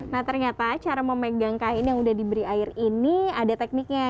nah ternyata cara memegang kain yang udah diberi air ini ada tekniknya